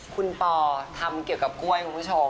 คุณปอทำเกี่ยวกับกล้วยคุณผู้ชม